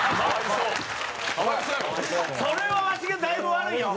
それはワシがだいぶ悪いんよ。